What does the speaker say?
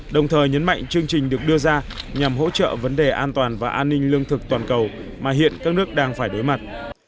đồng thời nhấn mạnh chương trình được đưa ra nhằm hỗ trợ vấn đề an toàn và an ninh lương thực toàn cầu mà hiện các nước đang phải đối mặt